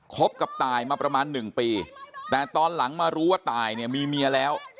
บกับตายมาประมาณหนึ่งปีแต่ตอนหลังมารู้ว่าตายเนี่ยมีเมียแล้ว